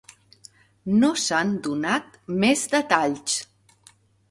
No s’han donat més detalls.